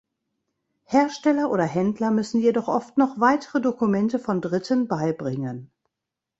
Hersteller oder Händler müssen jedoch oft noch weitere Dokumente von Dritten beibringen.